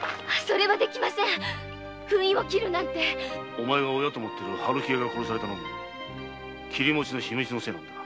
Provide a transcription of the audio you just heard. お前が親と思っている春喜屋が殺されたのも切餅の秘密の所為なんだ。